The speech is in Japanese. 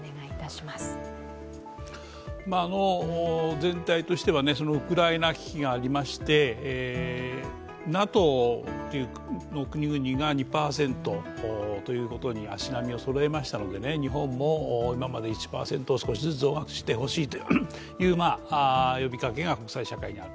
全体としてはウクライナ危機がありましてＮＡＴＯの国々が２％ということに足並みをそろえましたので日本も今まで１％を少しずつ増額してほしいという呼びかけが国際社会にある。